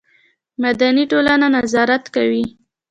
مدني ټولنه نظارت کوي